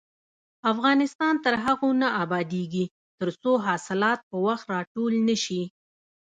افغانستان تر هغو نه ابادیږي، ترڅو حاصلات په وخت راټول نشي.